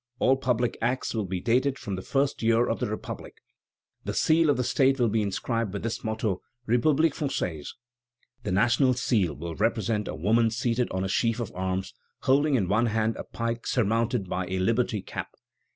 All public acts will be dated from the first year of the Republic. The seal of State will be inscribed with this motto: Republique française. The National Seal will represent a woman seated on a sheaf of arms, holding in one hand a pike surmounted by a liberty cap."